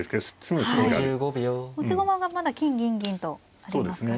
持ち駒がまだ金銀銀とありますからね。